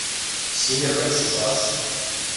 Си нэхэм щыщӏащ.